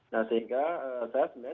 nah sehingga saya sebenarnya